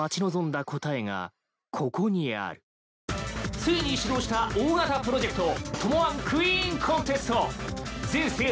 ［ついに始動した大型プロジェクト友１クイーンコンテスト］